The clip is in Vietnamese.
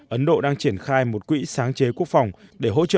ấn độ đang triển khai một quỹ sáng chế quốc phòng để hỗ trợ các phát triển quốc phòng